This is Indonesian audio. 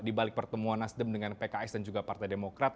di balik pertemuan nasdem dengan pks dan juga partai demokrat